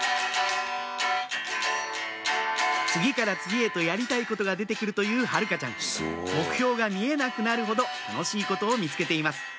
次から次へとやりたいことが出て来るという晴香ちゃん目標が見えなくなるほど楽しいことを見つけています